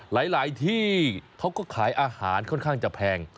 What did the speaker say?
หลายที่เขาก็ขายอาหารค่อนข้างจะแพง